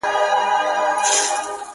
• د ارغوان له خاطرو مي راوتلي عطر ,